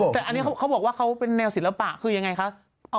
แต่อันนี้เขาบอกว่าเขาเป็นแนวศิลปะคือยังไงคะ